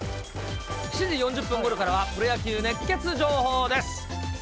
７時４０分ごろからは、プロ野球熱ケツ情報です。